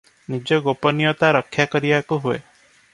ନିଜ ଗୋପନୀୟତା ରକ୍ଷାକରିବାକୁ ହୁଏ ।